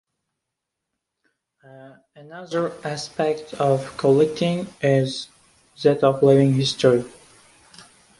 Another aspect of collecting is that of living history.